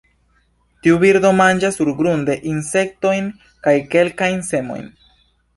Tiu birdo manĝas surgrunde insektojn kaj kelkajn semojn.